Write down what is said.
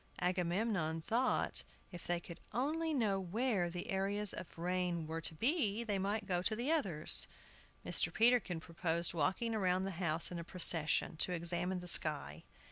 Agamemnon thought if they could only know where the areas of rain were to be they might go to the others. Mr. Peterkin proposed walking round the house in a procession, to examine the sky.